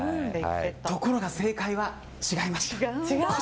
ところが正解は違いました。